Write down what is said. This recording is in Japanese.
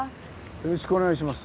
よろしくお願いします。